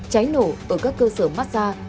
cháy nổ ở các cơ sở massage